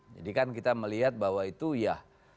jadi kan kita melihat bahwa itu ya